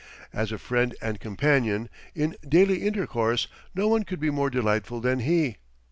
As a friend and companion, in daily intercourse, no one could be more delightful than he.